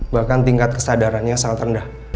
bahkan tingkat kesadarannya sangat rendah